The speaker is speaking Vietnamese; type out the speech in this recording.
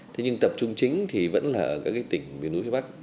thế nhưng tập trung chính thì vẫn là ở các tỉnh miền núi phía bắc